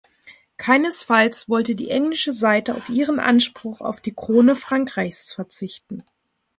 Keinesfalls wollte die englische Seite auf ihren Anspruch auf die Krone Frankreichs verzichten.